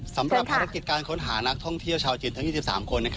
สำหรับภารกิจการค้นหานักท่องเที่ยวชาวจีนทั้ง๒๓คน